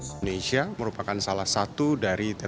indonesia merupakan salah satu dari tetrapek yang terkenal di indonesia